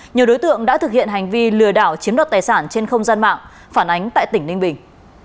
nhiều đối tượng đã thực hiện hành vi lừa đảo chiếm đoạt tài sản trên không gian mạng phản ánh tại tỉnh ninh bình